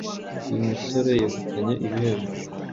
uyu musore yegukanye ibihembo